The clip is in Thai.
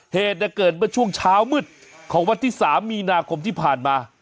เหตุเกิดเมื่อช่วงเช้ามืดของวันที่๓มีนาคมที่ผ่านมา